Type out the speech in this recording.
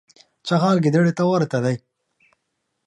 چغال ګیدړي ته ورته دی.